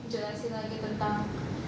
jelasin lagi tentang